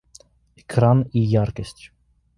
Экран и яркость